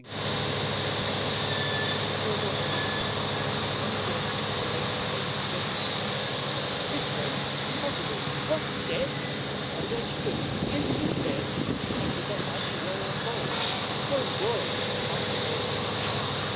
Jonathan Swift < A Satirical Elegy On the Death of a Late FAMOUS GENERAL HIS Grace! impossible! what dead! Of old age, too, and in his bed! And could that Mighty Warrior fall? And so inglorious, after all!